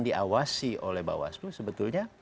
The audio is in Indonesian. diawasi oleh bawaslu sebetulnya